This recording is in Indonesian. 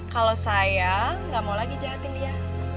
kalau saya nggak mau lagi jahatin dia